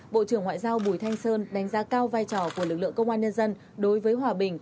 bộ trưởng ngoại giao bùi thanh sơn đánh giá cao vai trò của lực lượng công an nhân dân đối với hòa bình